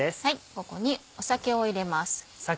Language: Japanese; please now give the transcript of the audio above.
ここに酒を入れます。